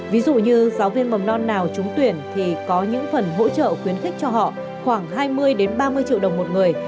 ví dụ như giáo viên mầm non nào trúng tuyển thì có những phần hỗ trợ khuyến khích cho họ khoảng hai mươi ba mươi triệu đồng một người